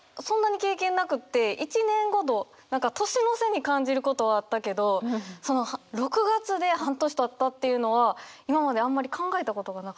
１年ごと何か年の瀬に感じることはあったけどその６月で半年たったっていうのは今まであんまり考えたことがなかった。